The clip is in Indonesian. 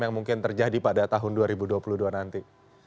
yang mungkin terjadi pada tahun dua ribu dua puluh dua nanti